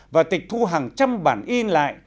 và tịch thu hàng trăm bản in lại